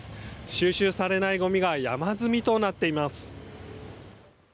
収集されないゴミが山積みとなっています。